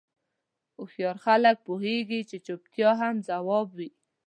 هوښیار خلک پوهېږي چې چوپتیا هم ځواب وي.